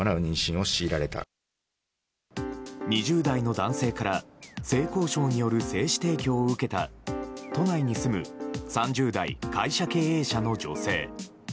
２０代の男性から性交渉による精子提供を受けた、都内に住む３０代、会社経営者の女性。